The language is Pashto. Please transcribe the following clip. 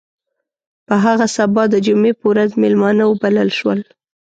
په هغه سبا د جمعې په ورځ میلمانه وبلل شول.